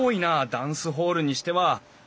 ダンスホールにしては。